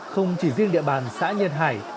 không chỉ riêng địa bàn xã nhân hải